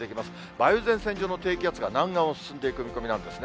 梅雨前線上の低気圧が南岸を進んでいく見込みなんですね。